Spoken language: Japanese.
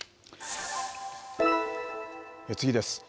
次です。